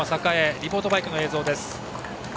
リポートバイクの映像です。